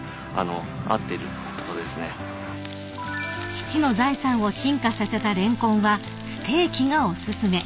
［父の財産を進化させたレンコンはステーキがお薦め］